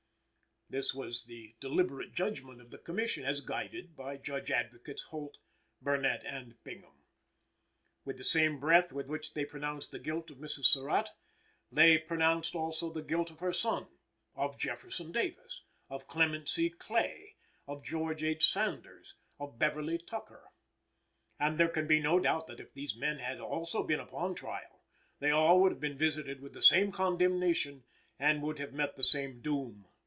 This was the deliberate judgment of the Commission as guided by Judge Advocates Holt, Burnett and Bingham. With the same breath with which they pronounced the guilt of Mrs. Surratt, they pronounced also the guilt of her son, of Jefferson Davis, of Clement C. Clay, of George H. Sanders, of Beverly Tucker. And there can be no doubt that if these men had also been upon trial, they all would have been visited with the same condemnation and would have met the same doom.